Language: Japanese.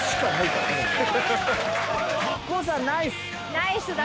ナイスだ。